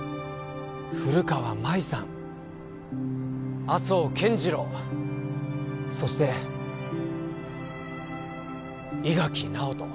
古川舞さん麻生健次郎そして伊垣尚人